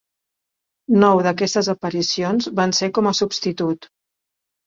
Nou d'aquestes aparicions van ser com a substitut.